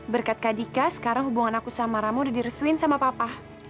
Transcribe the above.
berkat kadika sekarang hubungan aku sama ramu udah direstuin sama papa